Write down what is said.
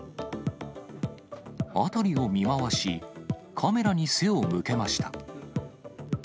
辺りを見回し、カメラに背を向けました。